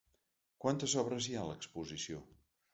Quantes obres hi ha a l’exposició?